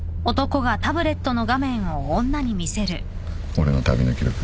俺の旅の記録。